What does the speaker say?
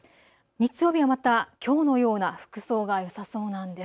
日曜日はまたきょうのような服装がよさそうなんです。